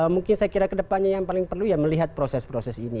mungkin saya kira kedepannya yang paling perlu ya melihat proses proses ini